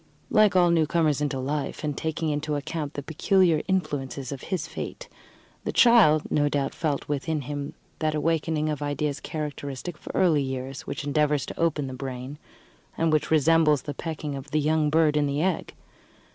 Like all newcomers into life, and taking into account the peculiar influences of his fate, the child no doubt felt within him that awakening of ideas characteristic of early years, which endeavours to open the brain, and which resembles the pecking of the young bird in the egg.